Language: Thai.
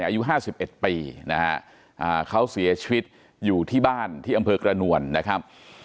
อายุ๕๑ปีนะฮะเขาเสียชีวิตอยู่ที่บ้านที่อำเภอกระนวลนะครับ